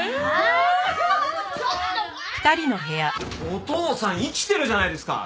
お父さん生きてるじゃないですか！